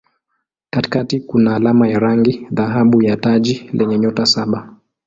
Katikati kuna alama ya rangi dhahabu ya taji lenye nyota saba.